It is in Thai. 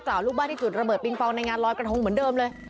ลูกบ้านที่จุดระเบิงปองในงานลอยกระทงเหมือนเดิมเลย